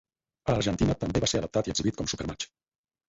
A Argentina també va ser adaptat i exhibit com "Supermatch".